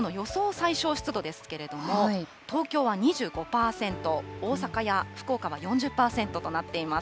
最小湿度ですけれども、東京は２５％、大阪や福岡は４０％となっています。